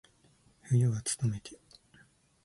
冬はつとめて。